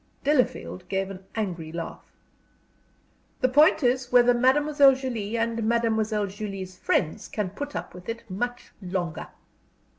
Delafield gave an angry laugh. "The point is whether Mademoiselle Julie and Mademoiselle Julie's friends can put up with it much longer."